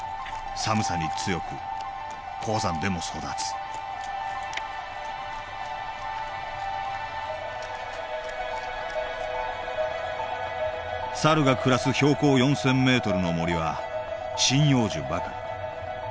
寒さに強く高山でも育つサルが暮らす標高４０００メートルの森は針葉樹ばかり。